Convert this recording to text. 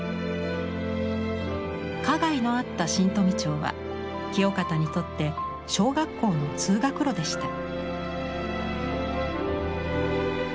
花街のあった新富町は清方にとって小学校の通学路でした。